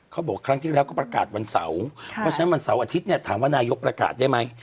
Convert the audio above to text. เขาบอกครั้งที่แล้วก็ประกาศวันเสาร์เพราะฉะนั้นวันเสาร์อาทิตย์เนี่ยถามว่านายกประกาศได้ไหม